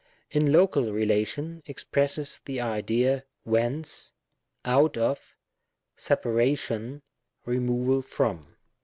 In Local relation, expresses the idea whence^ out of^ separation^ removal from.